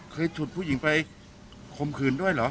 ฉุดผู้หญิงไปคมคืนด้วยเหรอ